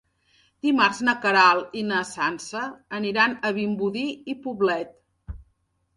Dimarts na Queralt i na Sança aniran a Vimbodí i Poblet.